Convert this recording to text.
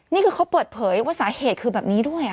นี่คือเขาเปิดเผยว่าสาเหตุคือแบบนี้ด้วย